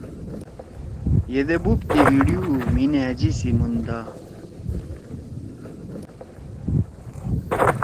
یدے بوب کے ایِڑی ہُو مھی نھأژی سی موندا